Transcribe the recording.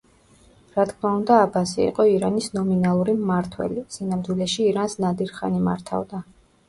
რა თქმა უნდა, აბასი იყო ირანის ნომინალური მმართველი, სინამდვილეში ირანს ნადირ-ხანი მართავდა.